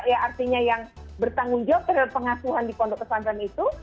ya artinya yang bertanggung jawab terhadap pengasuhan di pondok pesantren itu